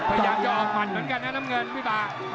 พยายามจะออกหมัดเหมือนกันนะน้ำเงินพี่บาท